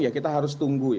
kita harus tunggu